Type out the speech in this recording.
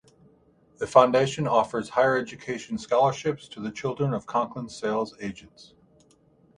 The foundation offers higher education scholarships to the children of Conklin sales agents.